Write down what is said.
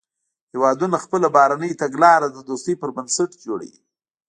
هیوادونه خپله بهرنۍ تګلاره د دوستۍ پر بنسټ جوړوي